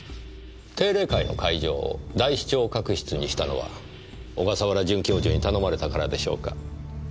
定例会の会場を大視聴覚室にしたのは小笠原准教授に頼まれたからでしょうか？